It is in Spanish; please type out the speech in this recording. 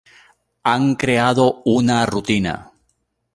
han creado una rutina